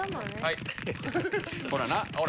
ほらな。